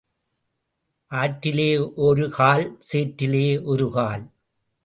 ஆற்றிலே ஒரு கால் சேற்றிலே ஒரு கால்.